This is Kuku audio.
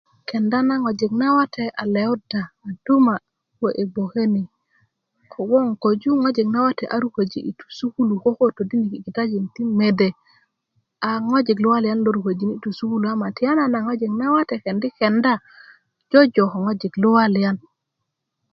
kenda na ŋojik nawate a lewudda a duma' kuwe yi gboke ni kogboŋ köju ŋojik nawate a ruköji' yi sukulu koko todiniki' kitajin ti mede a ŋojik luwaliyan lo ruköjini' yi sukulu ama tiyana na ŋojik nawate kune keekenda jojo ko ŋojik luwaliyan